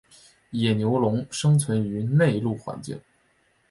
野牛龙生存于内陆环境。